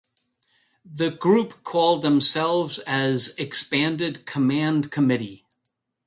The group called themselves as ""Expanded Command Committee"".